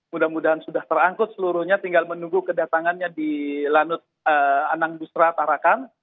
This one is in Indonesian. mudah mudahan sudah terangkut seluruhnya tinggal menunggu kedatangannya di lanut anang dustra tarakan